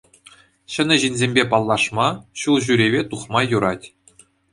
Ҫӗнӗ ҫынсемпе паллашма, ҫул ҫӳреве тухма юрать.